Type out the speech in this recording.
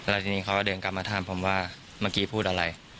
แล้วทีนี้เขาก็เดินกลับมาถามผมว่าเมื่อกี้พูดอะไร